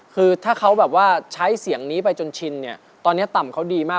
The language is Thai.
คือถ้าเขาใช้เสียงนี้ไปจนชินตอนนี้ต่ำเขาดีมาก